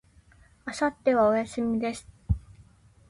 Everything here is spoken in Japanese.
明後日は、休みです。